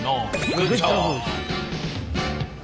グッジョブ！